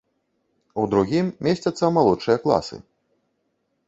У другім месцяцца малодшыя класы.